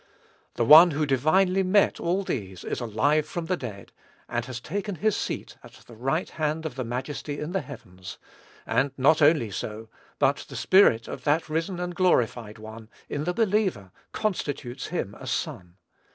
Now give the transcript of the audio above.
The One who divinely met all these is alive from the dead, and has taken his seat at the right hand of the majesty in the heavens; and, not only so, but the Spirit of that risen and glorified One, in the believer, constitutes him a son.